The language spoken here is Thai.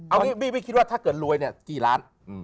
เอางี้บี้คิดว่าถ้าเกิดรวยเนี่ยกี่ล้าน